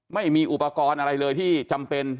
ไม่มีอุปกรณ์อะไรเลยที่จำเป็น